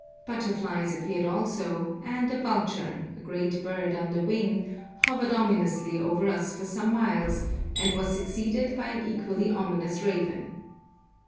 Butterflies appeared also, and a vulture, a grand bird on the wing, hovered ominously over us for some miles, and was succeeded by an equally ominous raven.